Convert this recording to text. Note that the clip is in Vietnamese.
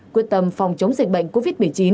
quyết tâm phòng chống dịch bệnh covid một mươi chín